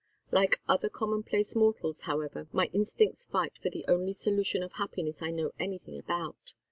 Like other commonplace mortals, however, my instincts fight for the only solution of happiness I know anything about.